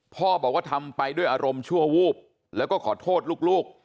พ่อบอกว่าทำไปด้วยอารมณ์ชั่ววูบแล้วก็ขอโทษลูก